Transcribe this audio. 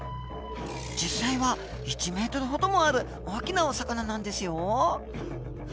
実際は１ｍほどもある大きなお魚なんですよ。